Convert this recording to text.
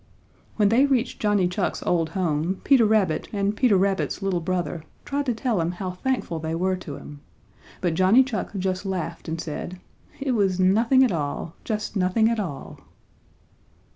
When they reached Johnny Chuck's old home, Peter Rabbit and Peter Rabbit's little brother tried to tell him how thankful they were to him, but Johnny Chuck just laughed and said: "It was nothing at all, just nothing at all."